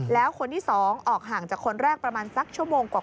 แล้วคนที่๒ออกห่างจากคนแรกประมาณสักชั่วโมงกว่า